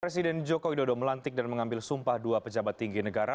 presiden joko widodo melantik dan mengambil sumpah dua pejabat tinggi negara